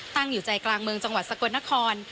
อยู่ใจกลางเมืองจังหวัดสกลนคร